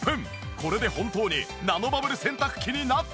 これで本当にナノバブル洗濯機になったのか？